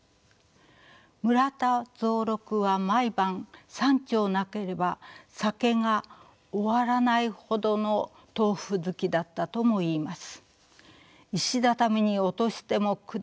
村田蔵六は毎晩３丁なければ酒が終わらないほどの豆腐好きだったともいいます。